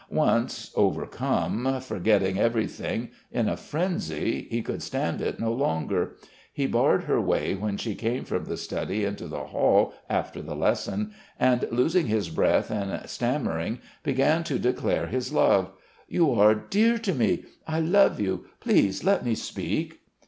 Once, overcome, forgetting everything, in a frenzy, he could stand it no longer. He barred her way when she came from the study into the hall after the lesson and, losing his breath and stammering, began to declare his love: "You are dear to me!... I love you. Please let me speak!"